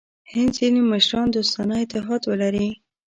هند ځیني مشران دوستانه اتحاد ولري.